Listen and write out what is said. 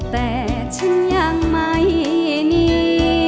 แต่ฉันยังไม่หนี